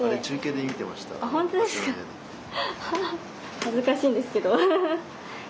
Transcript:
恥ずかしいんですけど。